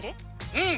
うん！